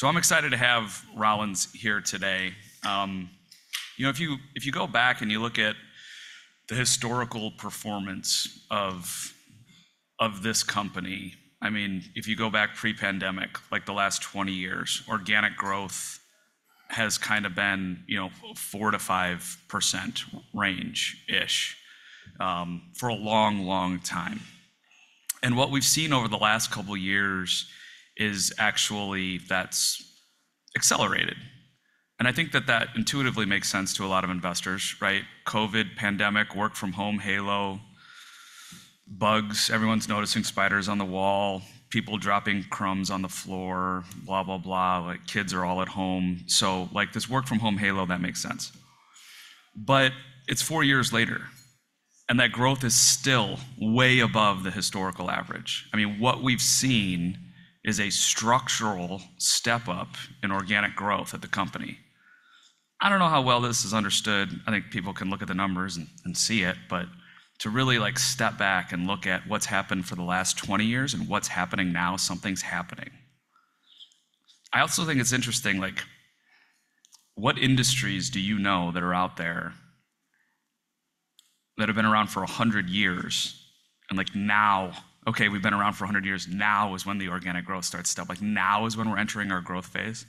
So I'm excited to have Rollins here today. You know, if you, if you go back and you look at the historical performance of, of this company, I mean, if you go back pre-pandemic, like the last 20 years, organic growth has kind of been, you know, 4%-5% range-ish, for a long, long time. And what we've seen over the last couple of years is actually that's accelerated. And I think that that intuitively makes sense to a lot of investors, right? COVID, pandemic, work from home, halo, bugs, everyone's noticing spiders on the wall, people dropping crumbs on the floor, blah, blah, blah, like, kids are all at home. So, like, this work from home halo, that makes sense. But it's 4 years later, and that growth is still way above the historical average. I mean, what we've seen is a structural step up in organic growth at the company. I don't know how well this is understood. I think people can look at the numbers and, and see it, but to really, like, step back and look at what's happened for the last 20 years and what's happening now, something's happening. I also think it's interesting, like, what industries do you know that are out there that have been around for 100 years, and like now, "Okay, we've been around for 100 years, now is when the organic growth starts to... Like, now is when we're entering our growth phase"?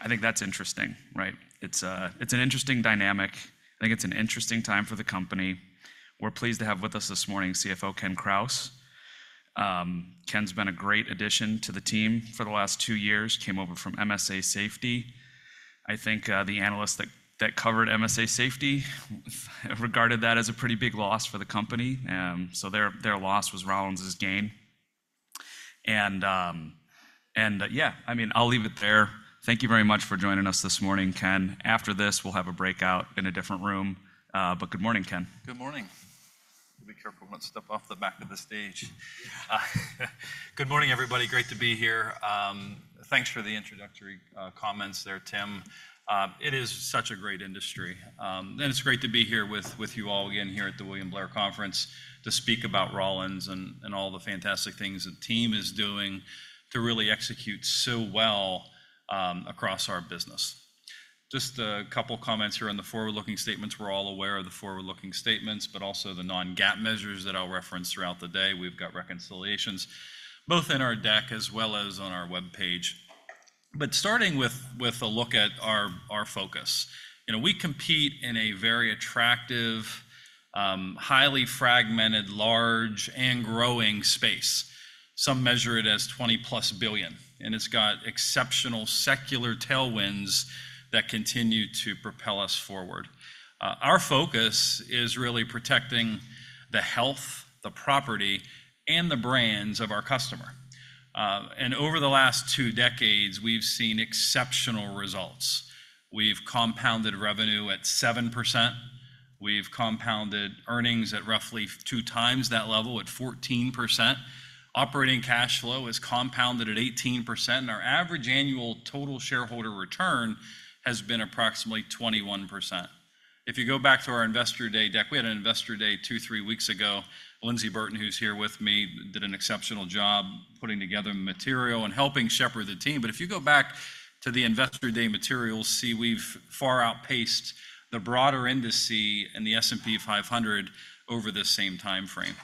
I think that's interesting, right? It's a, it's an interesting dynamic. I think it's an interesting time for the company. We're pleased to have with us this morning, CFO Ken Krause. Ken's been a great addition to the team for the last two years, came over from MSA Safety. I think the analysts that covered MSA Safety regarded that as a pretty big loss for the company. So their loss was Rollins's gain. And yeah, I mean, I'll leave it there. Thank you very much for joining us this morning, Ken. After this, we'll have a breakout in a different room. But good morning, Ken. Good morning. Be careful not to step off the back of the stage. Good morning, everybody. Great to be here. Thanks for the introductory comments there, Tim. It is such a great industry. It's great to be here with you all again here at the William Blair Conference to speak about Rollins and all the fantastic things the team is doing to really execute so well across our business. Just a couple of comments here on the forward-looking statements. We're all aware of the forward-looking statements, but also the Non-GAAP measures that I'll reference throughout the day. We've got reconciliations, both in our deck as well as on our webpage. Starting with a look at our focus, you know, we compete in a very attractive, highly fragmented, large and growing space. Some measure it as $20+ billion, and it's got exceptional secular tailwinds that continue to propel us forward. Our focus is really protecting the health, the property, and the brands of our customer. And over the last two decades, we've seen exceptional results. We've compounded revenue at 7%, we've compounded earnings at roughly two times that level, at 14%. Operating cash flow is compounded at 18%, and our average annual total shareholder return has been approximately 21%. If you go back to our Investor Day deck, we had an Investor Day 2-3 weeks ago. Lyndsey Burton, who's here with me, did an exceptional job putting together material and helping shepherd the team. But if you go back to the Investor Day materials, see we've far outpaced the broader industry and the S&P 500 over the same time frame.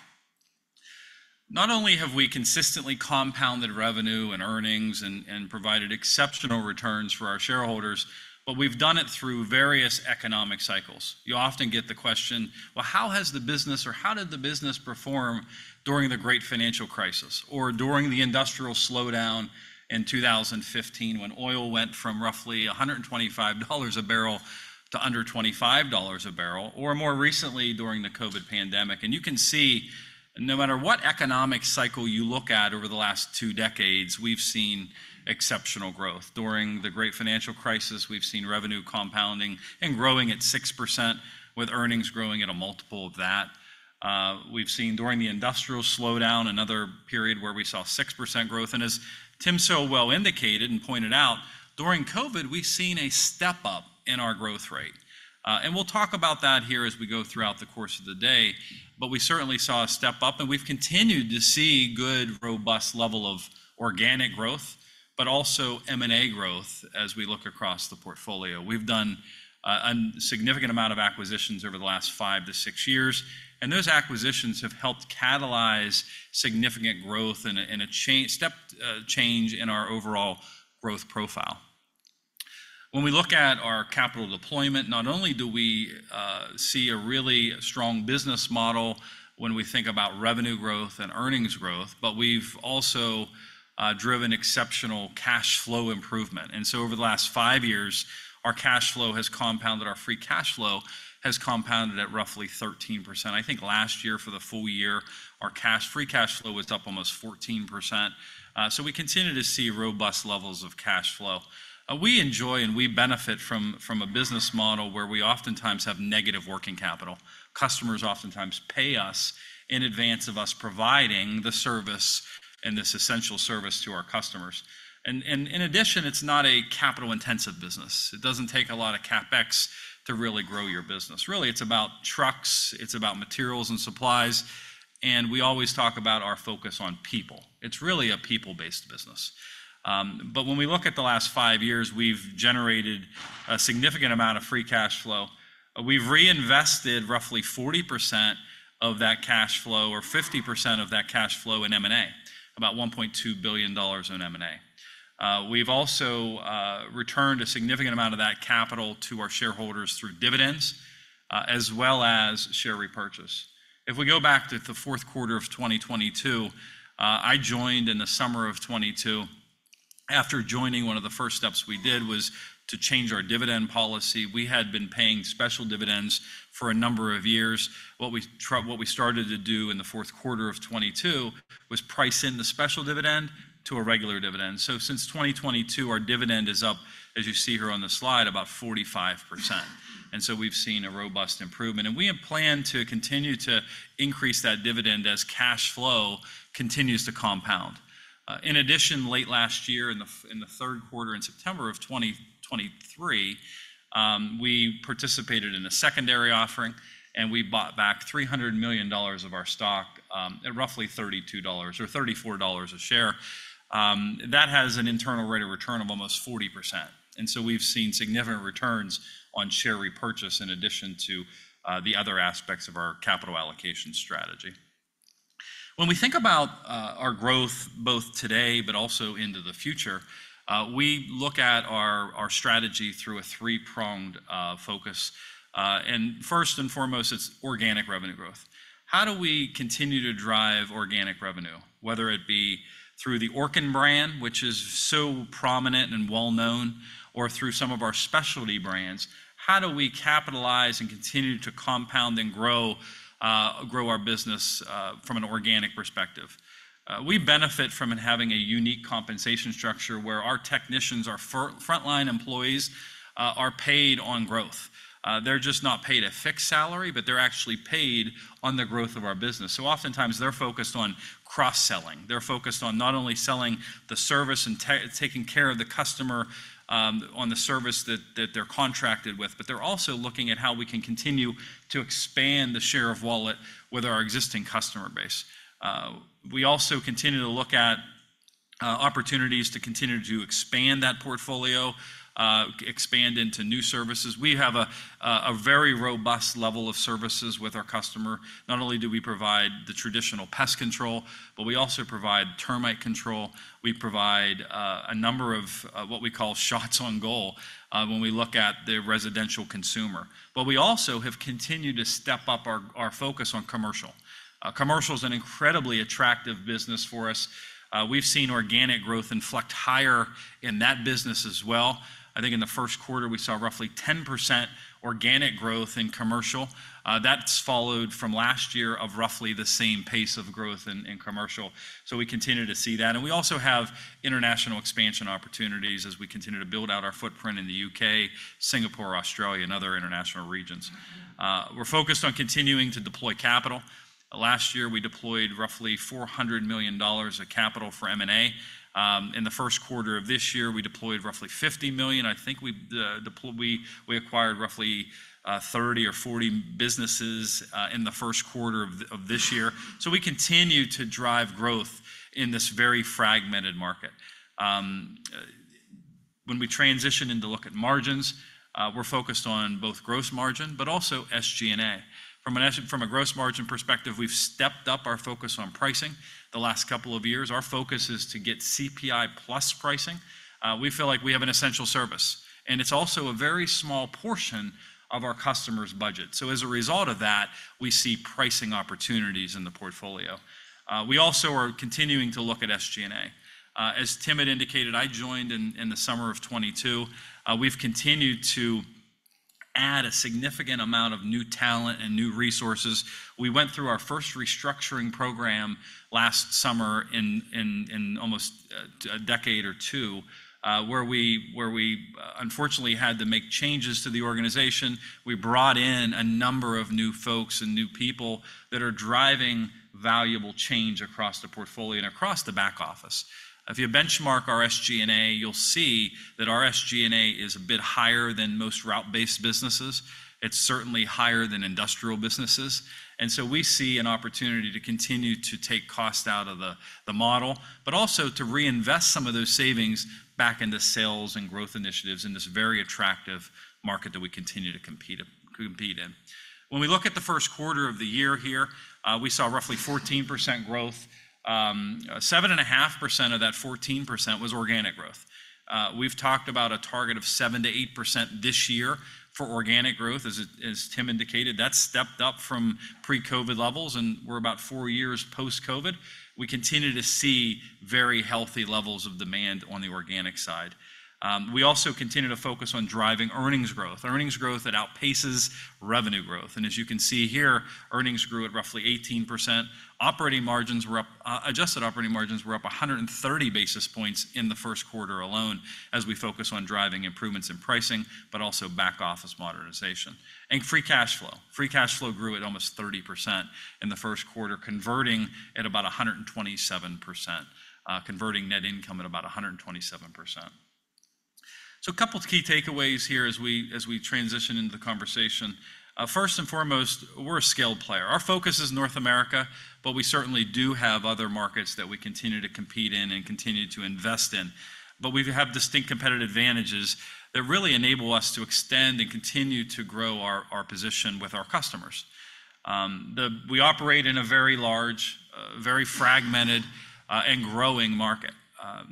Not only have we consistently compounded revenue and earnings and provided exceptional returns for our shareholders, but we've done it through various economic cycles. You often get the question, "Well, how has the business or how did the business perform during the great financial crisis, or during the industrial slowdown in 2015, when oil went from roughly $125 a barrel to under $25 a barrel, or more recently during the COVID pandemic?" And you can see, no matter what economic cycle you look at over the last two decades, we've seen exceptional growth. During the great financial crisis, we've seen revenue compounding and growing at 6%, with earnings growing at a multiple of that. We've seen during the industrial slowdown, another period where we saw 6% growth, and as Tim so well indicated and pointed out, during COVID, we've seen a step up in our growth rate. And we'll talk about that here as we go throughout the course of the day, but we certainly saw a step up, and we've continued to see good, robust level of organic growth, but also M&A growth as we look across the portfolio. We've done a significant amount of acquisitions over the last 5-6 years, and those acquisitions have helped catalyze significant growth and a step change in our overall growth profile. When we look at our capital deployment, not only do we see a really strong business model when we think about revenue growth and earnings growth, but we've also driven exceptional cash flow improvement. And so over the last 5 years, our cash flow has compounded, our free cash flow has compounded at roughly 13%. I think last year, for the full year, our cash, free cash flow was up almost 14%. So we continue to see robust levels of cash flow. We enjoy and we benefit from a business model where we oftentimes have negative working capital. Customers oftentimes pay us in advance of us providing the service and this essential service to our customers. And in addition, it's not a capital-intensive business. It doesn't take a lot of CapEx to really grow your business. Really, it's about trucks, it's about materials and supplies, and we always talk about our focus on people. It's really a people-based business. But when we look at the last 5 years, we've generated a significant amount of free cash flow. We've reinvested roughly 40% or 50% of that cash flow in M&A, about $1.2 billion in M&A. We've also returned a significant amount of that capital to our shareholders through dividends, as well as share repurchase. If we go back to the fourth quarter of 2022, I joined in the summer of 2022. After joining, one of the first steps we did was to change our dividend policy. We had been paying special dividends for a number of years. What we started to do in the fourth quarter of 2022 was price in the special dividend to a regular dividend. So since 2022, our dividend is up, as you see here on the slide, about 45%. And so we've seen a robust improvement, and we have planned to continue to increase that dividend as cash flow continues to compound. In addition, late last year in the, in the third quarter, in September of 2023, we participated in a secondary offering, and we bought back $300 million of our stock at roughly $32 or $34 a share. That has an internal rate of return of almost 40%, and so we've seen significant returns on share repurchase in addition to the other aspects of our capital allocation strategy. When we think about our growth both today but also into the future, we look at our strategy through a three-pronged focus. And first and foremost, it's organic revenue growth. How do we continue to drive organic revenue, whether it be through the Orkin brand, which is so prominent and well known, or through some of our specialty brands? How do we capitalize and continue to compound and grow our business from an organic perspective? We benefit from having a unique compensation structure where our technicians, our frontline employees, are paid on growth. They're just not paid a fixed salary, but they're actually paid on the growth of our business. So oftentimes, they're focused on cross-selling. They're focused on not only selling the service and taking care of the customer, on the service that they're contracted with, but they're also looking at how we can continue to expand the share of wallet with our existing customer base. We also continue to look at opportunities to continue to expand that portfolio, expand into new services. We have a very robust level of services with our customer. Not only do we provide the traditional pest control, but we also provide termite control. We provide a number of what we call shots on goal, when we look at the residential consumer. But we also have continued to step up our focus on commercial. Commercial is an incredibly attractive business for us. We've seen organic growth inflect higher in that business as well. I think in the first quarter, we saw roughly 10% organic growth in commercial. That's followed from last year of roughly the same pace of growth in commercial. So we continue to see that, and we also have international expansion opportunities as we continue to build out our footprint in the UK, Singapore, Australia, and other international regions. We're focused on continuing to deploy capital. Last year, we deployed roughly $400 million of capital for M&A. In the first quarter of this year, we deployed roughly $50 million. I think we deployed—we acquired roughly 30 or 40 businesses in the first quarter of this year. So we continue to drive growth in this very fragmented market. When we transition in to look at margins, we're focused on both gross margin, but also SG&A. From a gross margin perspective, we've stepped up our focus on pricing the last couple of years. Our focus is to get CPI plus pricing. We feel like we have an essential service, and it's also a very small portion of our customers' budget. So as a result of that, we see pricing opportunities in the portfolio. We also are continuing to look at SG&A. As Tim had indicated, I joined in the summer of 2022. We've continued to add a significant amount of new talent and new resources. We went through our first restructuring program last summer in almost a decade or two, where we unfortunately had to make changes to the organization. We brought in a number of new folks and new people that are driving valuable change across the portfolio and across the back office. If you benchmark our SG&A, you'll see that our SG&A is a bit higher than most route-based businesses. It's certainly higher than industrial businesses. So we see an opportunity to continue to take cost out of the model, but also to reinvest some of those savings back into sales and growth initiatives in this very attractive market that we continue to compete in. When we look at the first quarter of the year here, we saw roughly 14% growth. Seven and a half percent of that 14% was organic growth. We've talked about a target of 7%-8% this year for organic growth. As Tim indicated, that's stepped up from pre-COVID levels, and we're about 4 years post-COVID. We continue to see very healthy levels of demand on the organic side. We also continue to focus on driving earnings growth, earnings growth that outpaces revenue growth. And as you can see here, earnings grew at roughly 18%. Operating margins were up, adjusted operating margins were up 130 basis points in the first quarter alone as we focus on driving improvements in pricing, but also back-office modernization. And free cash flow. Free cash flow grew at almost 30% in the first quarter, converting at about 127%, converting net income at about 127%. So a couple of key takeaways here as we transition into the conversation. First and foremost, we're a scale player. Our focus is North America, but we certainly do have other markets that we continue to compete in and continue to invest in. But we have distinct competitive advantages that really enable us to extend and continue to grow our, our position with our customers. We operate in a very large, very fragmented, and growing market.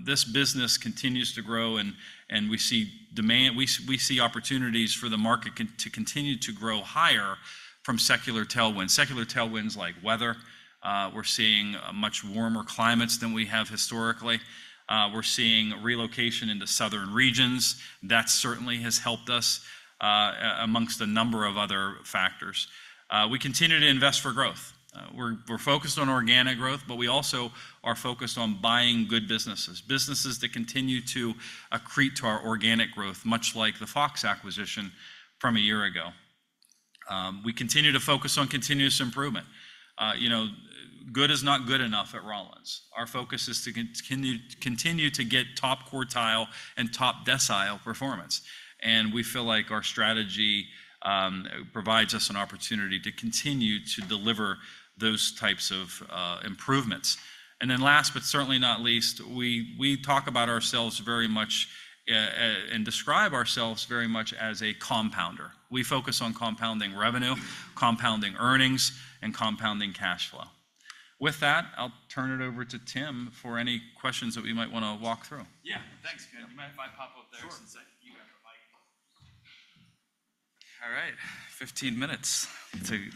This business continues to grow, and we see demand, we see opportunities for the market to continue to grow higher from secular tailwinds. Secular tailwinds like weather, we're seeing much warmer climates than we have historically. We're seeing relocation into southern regions. That certainly has helped us, amongst a number of other factors. We continue to invest for growth. We're focused on organic growth, but we also are focused on buying good businesses, businesses that continue to accrete to our organic growth, much like the Fox acquisition from a year ago. We continue to focus on continuous improvement. You know, good is not good enough at Rollins. Our focus is to continue to get top quartile and top decile performance, and we feel like our strategy provides us an opportunity to continue to deliver those types of improvements. And then last, but certainly not least, we talk about ourselves very much and describe ourselves very much as a compounder. We focus on compounding revenue, compounding earnings, and compounding cash flow. With that, I'll turn it over to Tim for any questions that we might want to walk through. Yeah, thanks, Ken. You mind if I pop up there- Sure. Since you have the mic? All right, 15 minutes to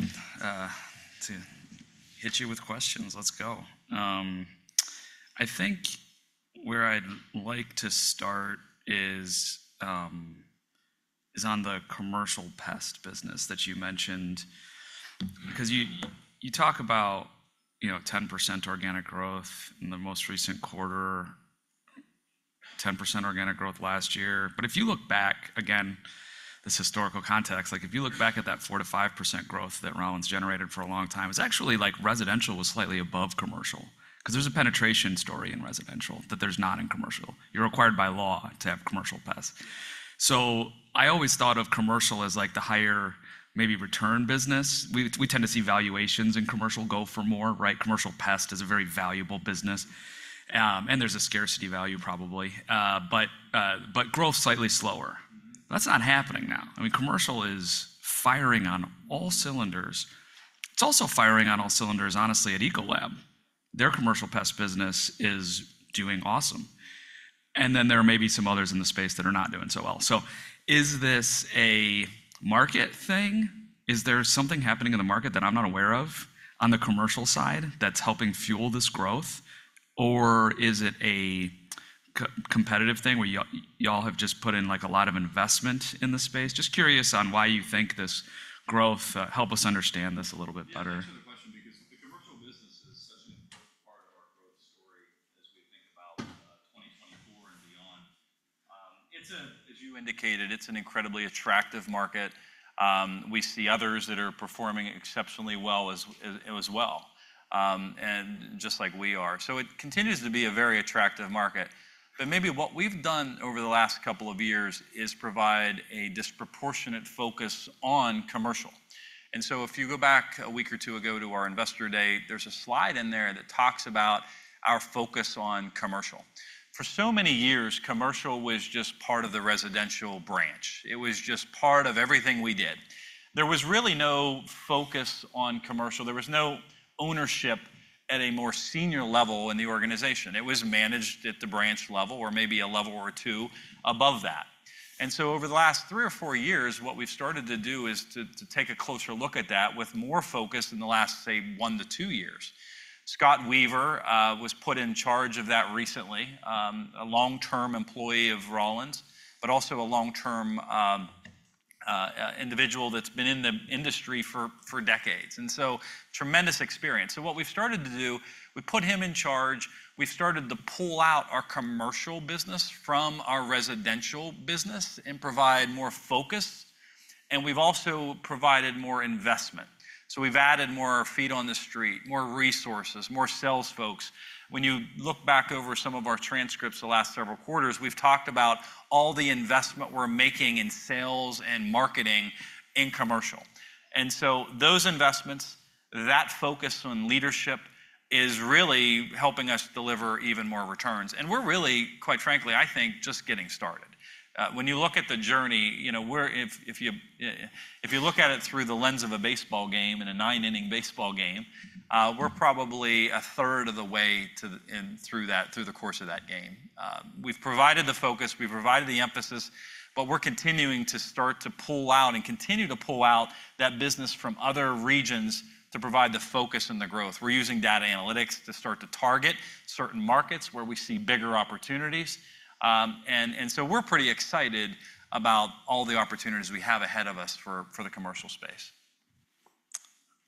hit you with questions. Let's go. I think where I'd like to start is on the commercial pest business that you mentioned. Because you, you talk about, you know, 10% organic growth in the most recent quarter, 10% organic growth last year. But if you look back, again, this historical context, like, if you look back at that 4%-5% growth that Rollins generated for a long time, it's actually like residential was slightly above commercial. 'Cause there's a penetration story in residential that there's not in commercial. You're required by law to have commercial pests. So I always thought of commercial as like the higher maybe return business. We, we tend to see valuations in commercial go for more, right? Commercial pest is a very valuable business, and there's a scarcity value, probably. But growth slightly slower. That's not happening now. I mean, commercial is firing on all cylinders. It's also firing on all cylinders, honestly, at Ecolab. Their commercial pest business is doing awesome. And then there may be some others in the space that are not doing so well. So is this a market thing? Is there something happening in the market that I'm not aware of on the commercial side that's helping fuel this growth? Or is it a co-competitive thing where y'all have just put in, like, a lot of investment in the space? Just curious on why you think this growth. Help us understand this a little bit better. Yeah, to answer the question, because the commercial business is such an important part of our growth story as we think about 2024 and beyond. It's, as you indicated, an incredibly attractive market. We see others that are performing exceptionally well as well, and just like we are. So it continues to be a very attractive market. But maybe what we've done over the last couple of years is provide a disproportionate focus on commercial. And so if you go back a week or two ago to our Investor Day, there's a slide in there that talks about our focus on commercial. For so many years, commercial was just part of the residential branch. It was just part of everything we did. There was really no focus on commercial. There was no ownership at a more senior level in the organization. It was managed at the branch level or maybe a level or 2 above that. Over the last 3 or 4 years, what we've started to do is to take a closer look at that with more focus in the last, say, 1-2 years. Scott Weaver was put in charge of that recently, a long-term employee of Rollins, but also a long-term individual that's been in the industry for decades, and so tremendous experience. What we've started to do, we put him in charge. We started to pull out our commercial business from our residential business and provide more focus, and we've also provided more investment. We've added more feet on the street, more resources, more sales folks. When you look back over some of our transcripts the last several quarters, we've talked about all the investment we're making in sales and marketing in commercial. And so those investments, that focus on leadership, is really helping us deliver even more returns. And we're really, quite frankly, I think, just getting started. When you look at the journey, you know, if you look at it through the lens of a baseball game, in a nine-inning baseball game, we're probably a third of the way to the through that, through the course of that game. We've provided the focus, we've provided the emphasis, but we're continuing to start to pull out and continue to pull out that business from other regions to provide the focus and the growth. We're using data analytics to start to target certain markets where we see bigger opportunities. And so we're pretty excited about all the opportunities we have ahead of us for the commercial space.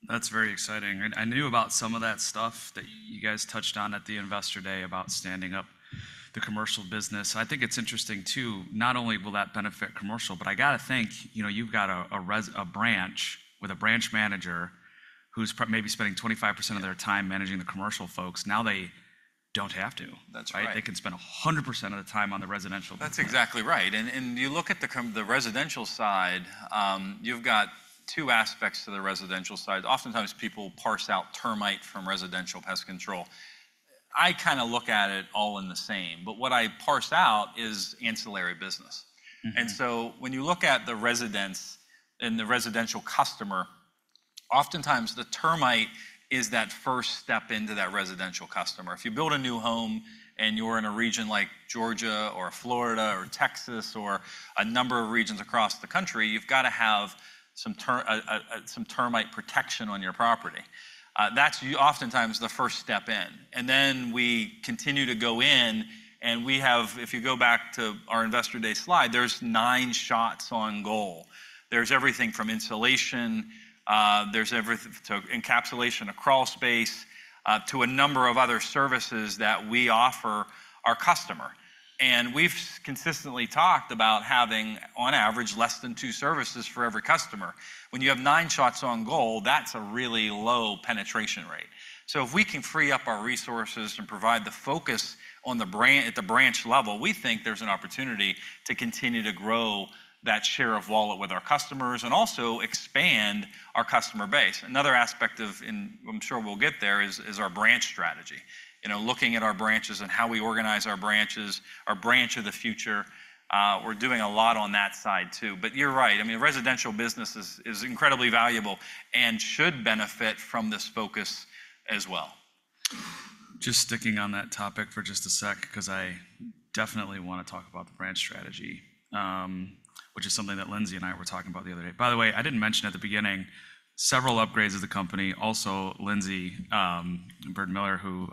That's very exciting. I knew about some of that stuff that you guys touched on at the Investor Day about standing up the commercial business. I think it's interesting, too, not only will that benefit commercial, but I gotta think, you know, you've got a branch with a branch manager who's maybe spending 25% of their time managing the commercial folks. Now they don't have to. That's right. They can spend 100% of the time on the residential. That's exactly right. And you look at the residential side. You've got two aspects to the residential side. Oftentimes, people parse out termite from residential pest control. I kind of look at it all in the same, but what I parse out is ancillary business. And so when you look at the residence and the residential customer, oftentimes the termite is that first step into that residential customer. If you build a new home, and you're in a region like Georgia or Florida or Texas or a number of regions across the country, you've got to have some termite protection on your property. That's oftentimes the first step in, and then we continue to go in, and we have. If you go back to our Investor Day slide, there's nine shots on goal. There's everything from insulation to encapsulation, a crawl space, to a number of other services that we offer our customer. And we've consistently talked about having, on average, less than two services for every customer. When you have nine shots on goal, that's a really low penetration rate. So if we can free up our resources and provide the focus at the branch level, we think there's an opportunity to continue to grow that share of wallet with our customers and also expand our customer base. Another aspect of, and I'm sure we'll get there, is our branch strategy. You know, looking at our branches and how we organize our branches, our branch of the future, we're doing a lot on that side, too. But you're right. I mean, residential business is incredibly valuable and should benefit from this focus as well. Just sticking on that topic for just a sec, 'cause I definitely want to talk about the branch strategy, which is something that Lyndsey and I were talking about the other day. By the way, I didn't mention at the beginning, several upgrades of the company. Also, Lyndsey, Byrd Miller, who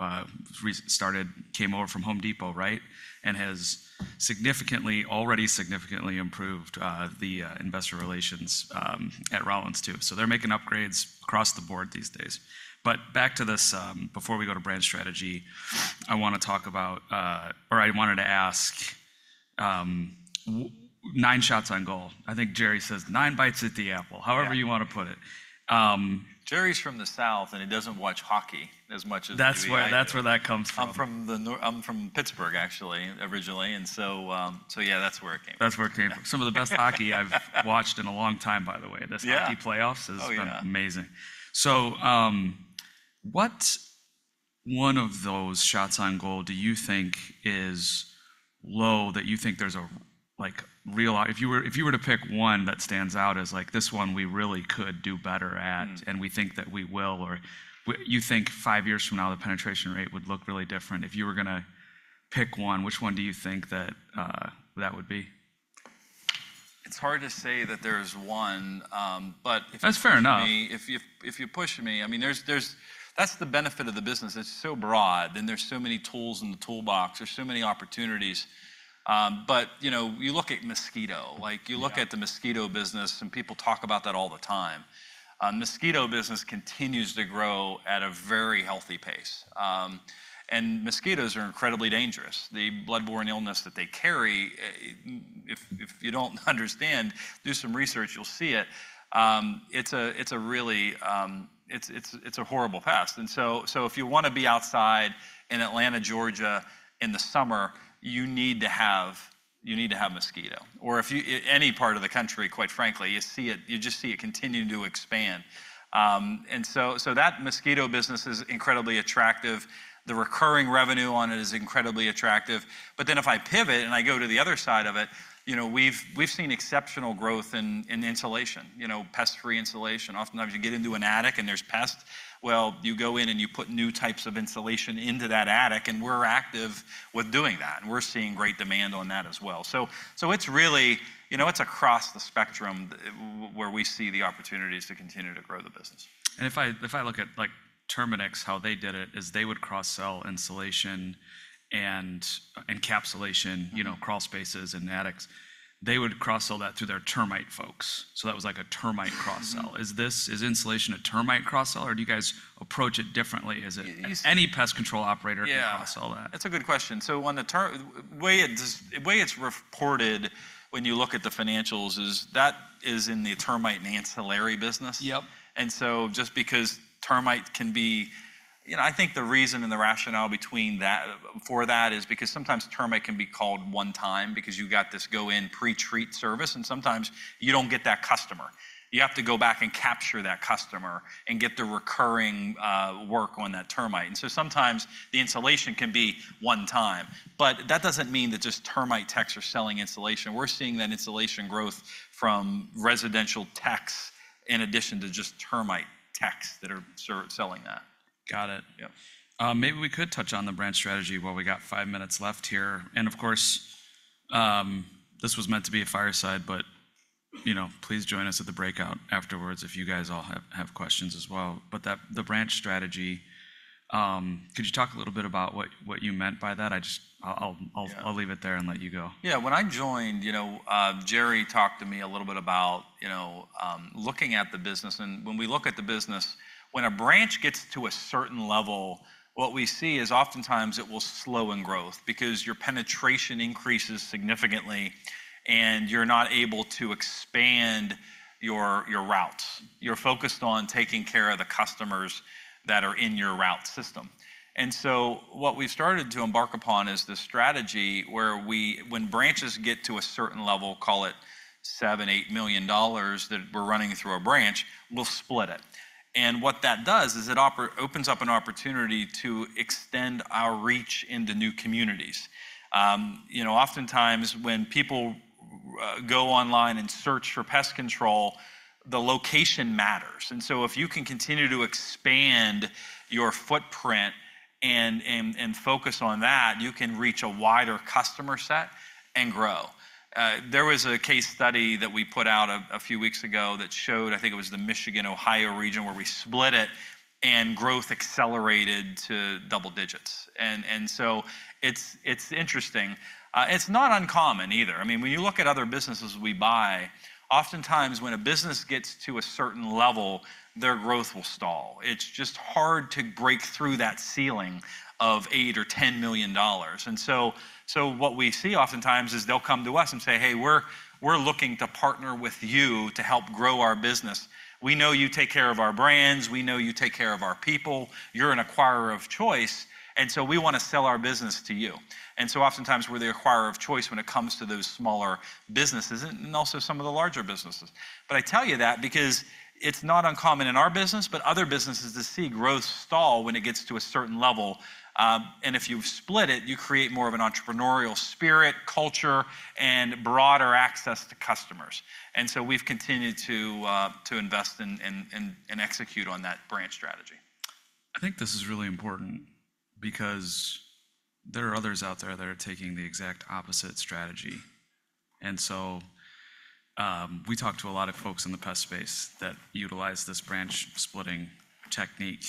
restaffed, came over from Home Depot, right? And has significantly, already significantly improved the investor relations at Rollins, too. So they're making upgrades across the board these days. But back to this, before we go to branch strategy, I want to talk about or I wanted to ask, why 9 shots on goal. I think Jerry says 9 bites at the apple. Yeah. However you want to put it. Jerry's from the South, and he doesn't watch hockey as much as you and I do. That's where that comes from. I'm from Pittsburgh, actually, originally, and so, so yeah, that's where it came from. That's where it came from. Some of the best hockey I've watched in a long time, by the way. Yeah. This hockey playoffs- Oh, yeah... has been amazing. So, what one of those shots on goal do you think is low, that you think there's a, like, real... If you were, if you were to pick one that stands out as, like, this one we really could do better at and we think that we will, or you think five years from now, the penetration rate would look really different. If you were gonna pick one, which one do you think that that would be? It's hard to say that there's one, but if you push me- That's fair enough.... if you, if you push me, I mean, that's the benefit of the business. It's so broad, and there's so many tools in the toolbox. There's so many opportunities, but, you know, you look at mosquito, like- Yeah... you look at the mosquito business, and people talk about that all the time. Mosquito business continues to grow at a very healthy pace. And mosquitoes are incredibly dangerous. The blood-borne illness that they carry, if you don't understand, do some research, you'll see it. It's a really, it's a horrible pest. So if you want to be outside in Atlanta, Georgia, in the summer, you need to have mosquito. Or if you, any part of the country, quite frankly, you see it—you just see it continuing to expand. So that mosquito business is incredibly attractive. The recurring revenue on it is incredibly attractive. But then, if I pivot, and I go to the other side of it, you know, we've seen exceptional growth in insulation, you know, pest-free insulation. Oftentimes, you get into an attic, and there's pests. Well, you go in, and you put new types of insulation into that attic, and we're active with doing that, and we're seeing great demand on that as well. So, it's really, you know, it's across the spectrum where we see the opportunities to continue to grow the business. If I look at, like, Terminix, how they did it, is they would cross-sell insulation and encapsulation you know, crawl spaces and attics. They would cross-sell that through their termite folks, so that was like a termite cross-sell. Is this insulation a termite cross-sell, or do you guys approach it differently? Is it- Yes- Any pest control operator can cross-sell that. Yeah, that's a good question. So the way it's reported, when you look at the financials, is that it is in the termite and ancillary business. Yep. And so just because termite can be... You know, I think the reason and the rationale between that, for that is because sometimes termite can be called one time because you've got this go-in, pre-treat service, and sometimes you don't get that customer. You have to go back and capture that customer and get the recurring work on that termite. And so sometimes the insulation can be one time, but that doesn't mean that just termite techs are selling insulation. We're seeing that insulation growth from residential techs, in addition to just termite techs that are selling that. Got it. Yep. Maybe we could touch on the branch strategy while we got five minutes left here. And of course, this was meant to be a fireside, but, you know, please join us at the breakout afterwards if you guys all have questions as well. But the branch strategy. Could you talk a little bit about what you meant by that? I just, Yeah. I'll leave it there and let you go. Yeah, when I joined, you know, Jerry talked to me a little bit about, you know, looking at the business. And when we look at the business, when a branch gets to a certain level, what we see is oftentimes it will slow in growth because your penetration increases significantly, and you're not able to expand your routes. You're focused on taking care of the customers that are in your route system. And so, what we've started to embark upon is this strategy where we, when branches get to a certain level, call it $7-$8 million that we're running through a branch, we'll split it. And what that does is it opens up an opportunity to extend our reach into new communities. You know, oftentimes when people go online and search for pest control, the location matters. And so, if you can continue to expand your footprint and focus on that, you can reach a wider customer set and grow. There was a case study that we put out a few weeks ago that showed, I think it was the Michigan-Ohio region, where we split it, and growth accelerated to double digits. And so it's interesting. It's not uncommon either. I mean, when you look at other businesses we buy, oftentimes, when a business gets to a certain level, their growth will stall. It's just hard to break through that ceiling of $8-$10 million. And so what we see oftentimes is they'll come to us and say, "Hey, we're looking to partner with you to help grow our business. We know you take care of our brands. We know you take care of our people. You're an acquirer of choice, and so we want to sell our business to you." And so oftentimes, we're the acquirer of choice when it comes to those smaller businesses and also some of the larger businesses. But I tell you that because it's not uncommon in our business, but other businesses to see growth stall when it gets to a certain level. And if you split it, you create more of an entrepreneurial spirit, culture, and broader access to customers. And so we've continued to invest and execute on that branch strategy. I think this is really important because there are others out there that are taking the exact opposite strategy. And so, we talked to a lot of folks in the pest space that utilize this branch-splitting technique.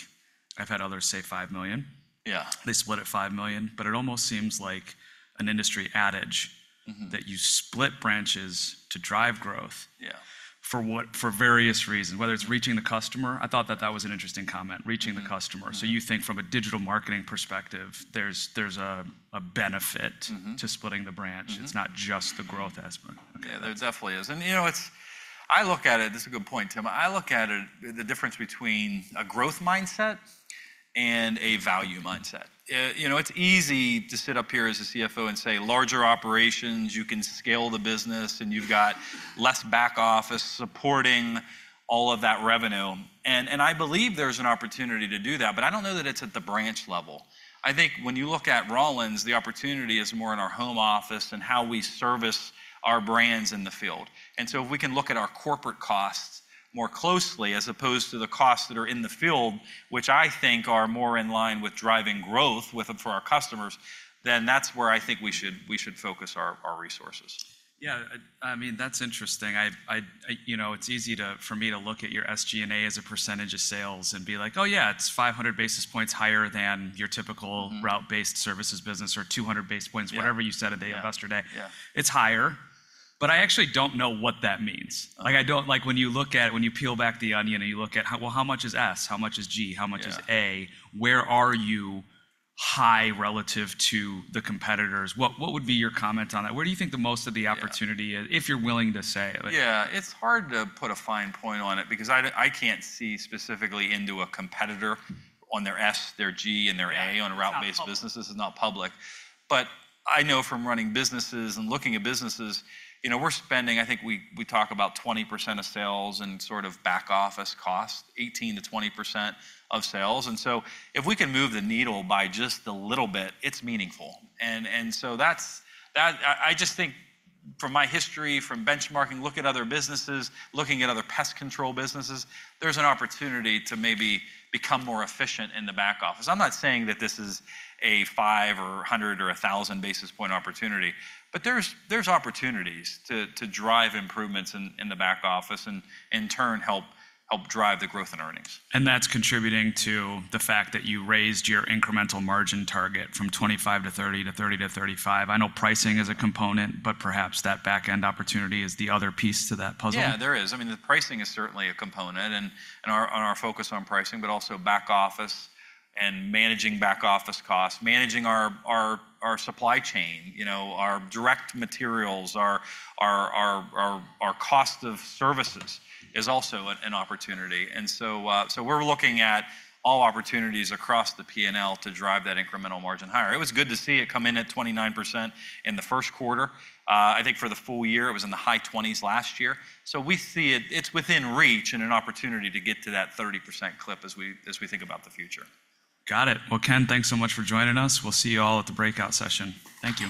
I've had others say $5 million. Yeah. They split at $5 million, but it almost seems like an industry adage that you split branches to drive growth- Yeah For what? For various reasons, whether it's reaching the customer. I thought that that was an interesting comment, reaching the customer. So you think from a digital marketing perspective, there's a benefit to splitting the branch. It's not just the growth aspect. Yeah, there definitely is. And, you know, it's. I look at it. This is a good point, Tim. I look at it, the difference between a growth mindset and a value mindset. You know, it's easy to sit up here as a CFO and say, larger operations, you can scale the business, and you've got less back office supporting all of that revenue. And, I believe there's an opportunity to do that, but I don't know that it's at the branch level. I think when you look at Rollins, the opportunity is more in our home office and how we service our brands in the field. And so we can look at our corporate costs more closely, as opposed to the costs that are in the field, which I think are more in line with driving growth with for our customers, then that's where I think we should focus our resources. Yeah, I mean, that's interesting. You know, it's easy for me to look at your SG&A as a percentage of sales and be like: Oh, yeah, it's 500 basis points higher than your typical route-based services business, or 200 basis points- Yeah... whatever you said at Investor Day. Yeah, yeah. It's higher, but I actually don't know what that means. Okay. Like, when you look at, when you peel back the onion, and you look at how... Well, how much is S? How much is G? Yeah. How much is A? Where are you high relative to the competitors? What, what would be your comment on that? Where do you think the most of the opportunity is- Yeah... if you're willing to say, like? Yeah, it's hard to put a fine point on it because I can't see specifically into a competitor on their S, their G, and their A- Yeah, it's not public.... on a route-based business. This is not public. But I know from running businesses and looking at businesses, you know, we're spending. I think we talk about 20% of sales and sort of back office cost, 18%-20% of sales. And so if we can move the needle by just a little bit, it's meaningful. And so that's. I just think from my history, from benchmarking, look at other businesses, looking at other pest control businesses, there's an opportunity to maybe become more efficient in the back office. I'm not saying that this is a 5 or a 100 or a 1,000 basis point opportunity, but there's opportunities to drive improvements in the back office, and in turn, help drive the growth in earnings. That's contributing to the fact that you raised your incremental margin target from 25-30 to 30-35. I know pricing is a component, but perhaps that back-end opportunity is the other piece to that puzzle. Yeah, there is. I mean, the pricing is certainly a component, and our focus on pricing, but also back office and managing back-office costs, managing our supply chain, you know, our direct materials, our cost of services is also an opportunity. So we're looking at all opportunities across the P&L to drive that incremental margin higher. It was good to see it come in at 29% in the first quarter. I think for the full year, it was in the high 20s last year. So we see it. It's within reach and an opportunity to get to that 30% clip as we think about the future. Got it. Well, Ken, thanks so much for joining us. We'll see you all at the breakout session. Thank you.